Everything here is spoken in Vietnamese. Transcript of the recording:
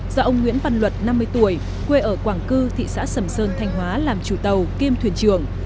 do ông nguyễn văn luật năm mươi tuổi quê ở quảng cư thị xã sầm sơn thanh hóa làm chủ tàu kiêm thuyền trường